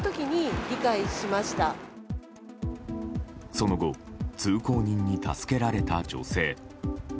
その後通行人に助けられた女性。